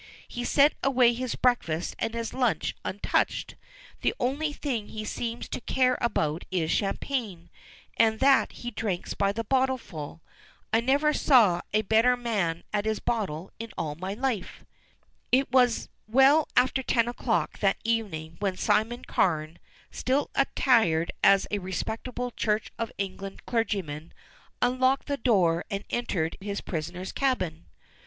He sent away his breakfast and his lunch untouched. The only thing he seems to care about is champagne, and that he drinks by the bottle full. I never saw a better man at his bottle in all my life." It was well after ten o'clock that evening when Simon Carne, still attired as a respectable Church of England clergyman, unlocked the door and entered his prisoner's cabin.